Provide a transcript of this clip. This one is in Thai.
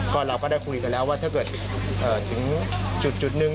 ก็เราก็ได้คุยกันแล้วว่าถ้าเกิดถึงจุดนึง